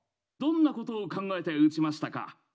どんなことを考えて打ちましたか？